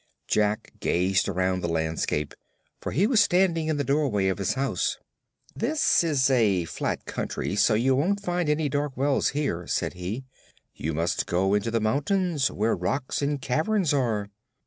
Jack gazed around the landscape, for he was standing in the doorway of his house. "This is a flat country, so you won't find any dark wells here," said he. "You must go into the mountains, where rocks and caverns are."